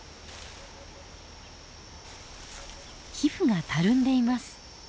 皮膚がたるんでいます。